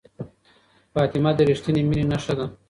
فاطمه د ریښتینې مینې نښه ده.